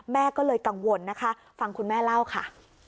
แม่ก็เลยกังวลนะคะฟังคุณแม่เล่าค่ะ